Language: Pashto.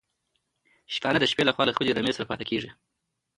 شپانه د شپې لخوا له خپلي رمې سره پاتي کيږي